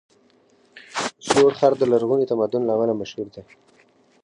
زوړ ښار د لرغوني تمدن له امله مشهور دی.